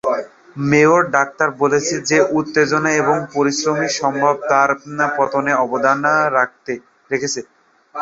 Mayor doctor বলেছেন যে উত্তেজনা এবং পরিশ্রম সম্ভবত তার পতনে অবদান রেখেছে।